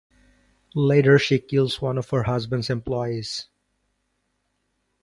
Later, she kills one of her husband's employees.